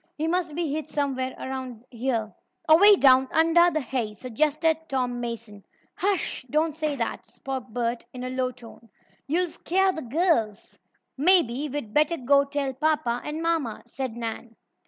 "He must be hid somewhere around here." "Away down under the hay," suggested Tom Mason. "Hush! Don't say that," spoke Bert in a low tone. "You'll scare the girls!" "Maybe we'd better go tell papa and mamma," said Nan.